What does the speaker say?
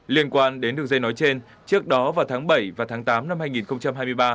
liên quan đến đường dây nói trên trước đó vào tháng bảy và tháng tám năm hai nghìn hai mươi ba